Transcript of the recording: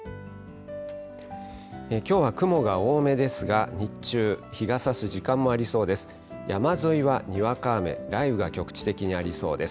きょうは雲が多めですが、日中、日がさす時間もありそうです。